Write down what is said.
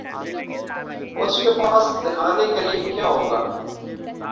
اس کے پاس دکھانے کے لیے کیا ہو گا؟